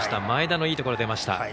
前田のいいところ出ました。